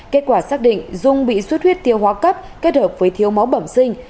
kết quả xác định dung bị suất huyết tiêu hóa cấp kết hợp với thiếu máu bẩm sinh